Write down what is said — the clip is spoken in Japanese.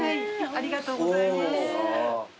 ありがとうございます。